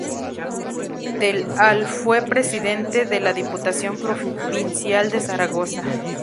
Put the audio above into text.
Del al fue Presidente de la Diputación Provincial de Zaragoza.